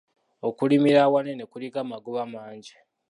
Okulimira awanene kuliko amagoba mangi.